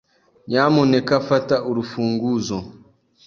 Nyamuneka fata urufunguzo.